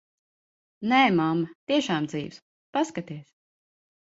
Nē, mamma, tiešām dzīvs. Paskaties.